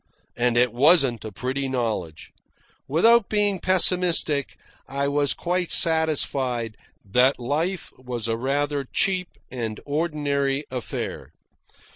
And it wasn't a pretty knowledge. Without being pessimistic, I was quite satisfied that life was a rather cheap and ordinary affair.